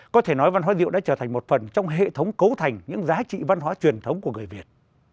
có thể nói văn hóa rượu đã trở thành một phần trong hệ thống cấu thành những giá trị văn hóa truyền thống của người việt